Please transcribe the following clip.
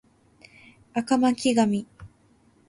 赤巻紙